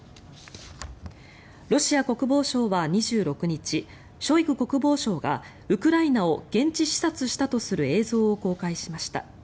ロシア国防省は２６日ショイグ国防相がウクライナを現地視察したとする映像を公開しました。